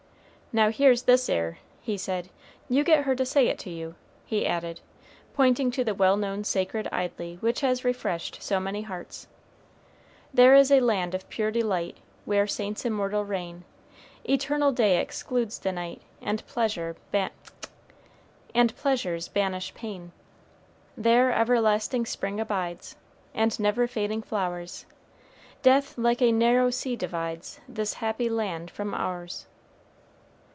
"Now here's this 'ere," he said; "you get her to say it to you," he added, pointing to the well known sacred idyl which has refreshed so many hearts: "There is a land of pure delight Where saints immortal reign; Eternal day excludes the night, And pleasures banish pain. "There everlasting spring abides, And never fading flowers; Death like a narrow sea divides This happy land from ours."